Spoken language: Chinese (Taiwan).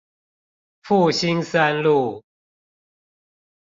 復興三路